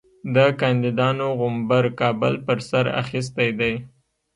د کاندیدانو غومبر کابل پر سر اخیستی دی.